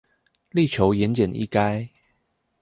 力求言簡意賅